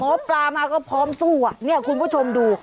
หมอปลามาก็พร้อมสู้อ่ะเนี่ยคุณผู้ชมดู